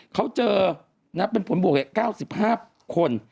เขาเจอเป็นผลบวก๙๕คน